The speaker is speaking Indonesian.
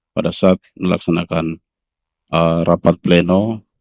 pada saat melaksanakan rapat pleno